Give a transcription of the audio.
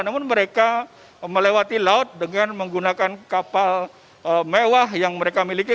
namun mereka melewati laut dengan menggunakan kapal mewah yang mereka miliki